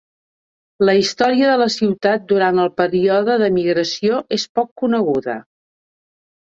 La història de la ciutat durant el període de migració és poc coneguda.